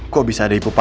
kok bisa ada ibu pak